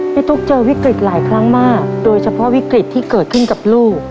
ตุ๊กเจอวิกฤตหลายครั้งมากโดยเฉพาะวิกฤตที่เกิดขึ้นกับลูก